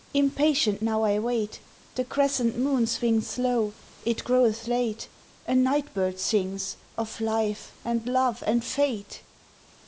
Impatient now I wait, The crescent moon swings low, it groweth late, A night bird sings, of Life, and Love, and Fate!